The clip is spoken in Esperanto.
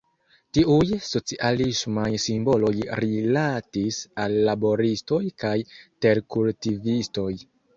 Tiuj socialismaj simboloj rilatis al laboristoj kaj terkultivistoj.